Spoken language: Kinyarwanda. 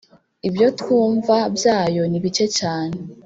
Ibyo twumva byayo ni bike cyane